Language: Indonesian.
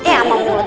eh sama mulut